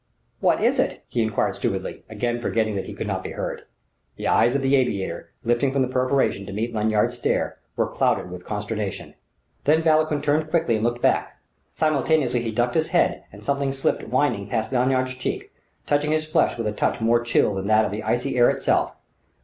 "What is it?" he enquired stupidly, again forgetting that he could not be heard. The eyes of the aviator, lifting from the perforation to meet Lanyard's stare, were clouded with consternation. Then Vauquelin turned quickly and looked back. Simultaneously he ducked his head and something slipped whining past Lanyard's cheek, touching his flesh with a touch more chill than that of the icy air itself.